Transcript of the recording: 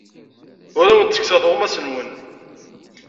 Ur awen-d-ttekkseɣ tuɣmas-nwen.